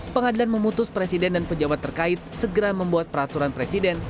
pengadilan memutus presiden dan pejabat terkait segera membuat peraturan presiden